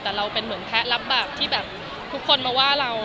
แต่เราเป็นเหมือนแพ้รับบาปที่แบบทุกคนมาว่าเรา